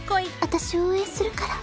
私応援するから。